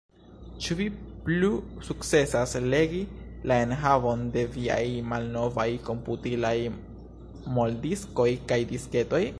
Ĉu vi plu sukcesas legi la enhavon de viaj malnovaj komputilaj moldiskoj kaj disketoj?